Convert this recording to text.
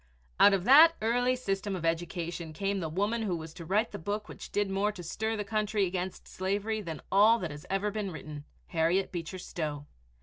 Out of that early system of education came the woman who was to write the book which did more to stir the country against slavery than all that ever had been written, Harriet Beecher Stowe.